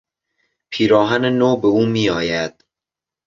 پیراهن نو به او میآید.